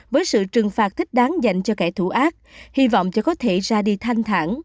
với sự trừng phạt thích đáng dành cho kẻ thù ác hy vọng cho có thể ra đi thanh thản